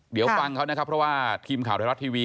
เดี๋ยวฟังเขานะครับเพราะว่าทีมข่าวไทยรัฐทีวี